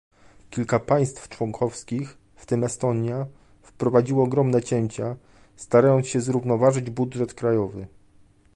Kilka państw członkowskich, w tym Estonia, wprowadziło ogromne cięcia, starając się zrównoważyć budżet krajowy